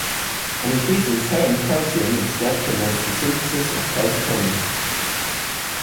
An increase in serum calcium, instead, promotes the synthesis of calcitonin.